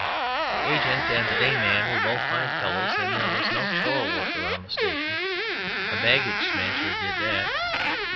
The agent and day man were both fine fellows, and there was no chore work around the station a baggage smasher did that.